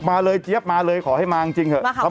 มาเลยเจี๊ยบมาเลยขอให้มาจริงเถอะ